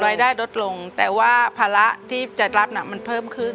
รายได้ลดลงแต่ว่าภาระที่จะรับน่ะมันเพิ่มขึ้น